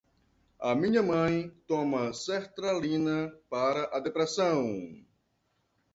A minha mãe toma sertralina para a depressão